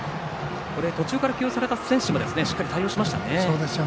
これ、途中から起用された選手もしっかり対応しましたね。